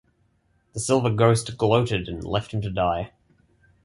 The Silver Ghost gloated and left him to die.